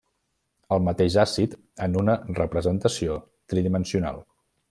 El mateix àcid en una representació tridimensional.